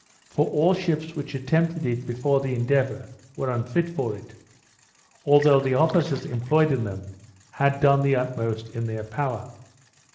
For all ships which attempted it before the Endeavour, were unfit for it; although the officers employed in them had done the utmost in their power.